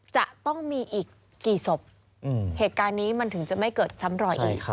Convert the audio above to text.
จะต้องมีอีกกี่ศพเหตุการณ์นี้มันถึงจะไม่เกิดซ้ำรอยอีก